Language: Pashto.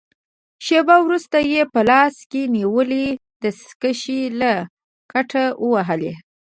شېبه وروسته يې په لاس کې نیولې دستکشې له کټه ووهلې.